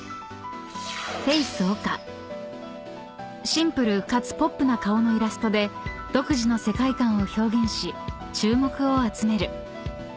［シンプルかつポップな顔のイラストで独自の世界観を表現し注目を集める］